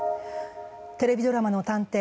テレビドラマの探偵